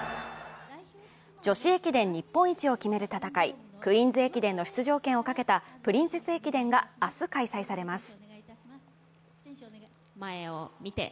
女子駅伝日本一を決める戦い、クイーンズ駅伝の出場権をかけたプリンセス駅伝が明日開催されます。